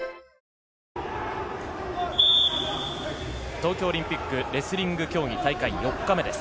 東京オリンピックレスリング競技大会４日目です。